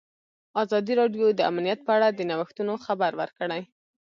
ازادي راډیو د امنیت په اړه د نوښتونو خبر ورکړی.